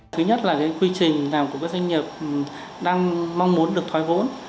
thứ nhất là cái quy trình nào của các doanh nghiệp đang mong muốn được thoái vỗ